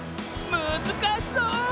むずかしそう！